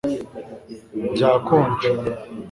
Byakonje